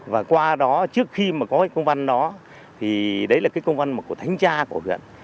và qua đó trước khi có công văn đó thì đấy là công văn của thanh tra của huyện